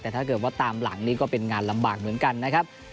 แต่ถ้าเกิดว่าตามหลังนี่ก็เป็นงานลำบากเหมือนกันนะครับ